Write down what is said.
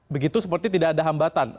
begitu seperti tidak ada hambatan